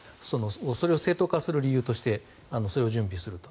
それを正当化する理由としてそれを準備すると。